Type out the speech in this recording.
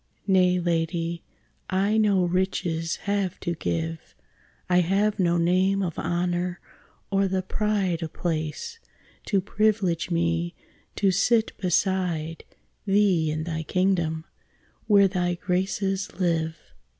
Nay, lady, I no riches have to give; I have no name of honour, or the pride Of place, to priv'lege me to sit beside Thee in thy kingdom, where thy graces live.